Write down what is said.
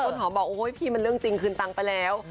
หอมบอกโอ้ยพี่มันเรื่องจริงคืนตังค์ไปแล้ว